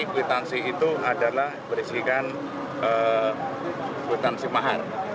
kwitansi itu adalah berisikan kwitansi mahar